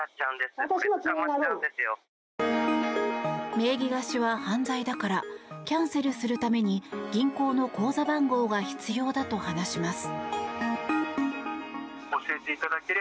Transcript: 名義貸しは犯罪だからキャンセルするために銀行の口座番号が必要だと話します。